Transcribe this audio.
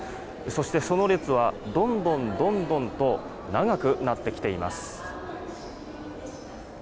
そして、その列はどんどんと長くなってきています。